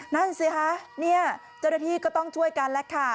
นั่นสิคะเนี่ยเจ้าหน้าที่ก็ต้องช่วยกันแล้วค่ะ